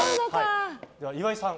では、岩井さん。